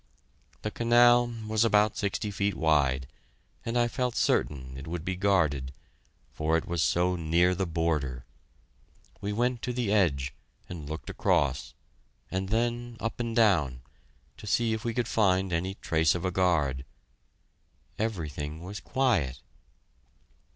The canal was about sixty feet wide, and I felt certain it would be guarded, for it was so near the border. We went to the edge, and looked across and then up and down to see if we could find any trace of a guard; everything was quiet.